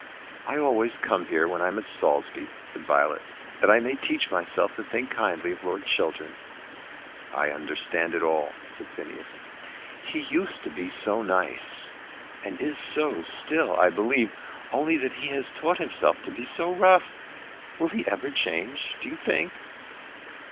"I always come here when I am at Saulsby," said Violet, "that I may teach myself to think kindly of Lord Chiltern." "I understand it all," said Phineas. "He used to be so nice; and is so still, I believe, only that he has taught himself to be so rough. Will he ever change, do you think?"